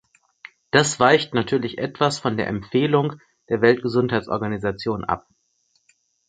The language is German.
Das weicht natürlich etwas von der Empfehlung der Weltgesundheitsorganisation ab.